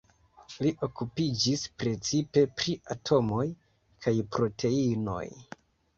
Li okupiĝis precipe pri atomoj kaj proteinoj.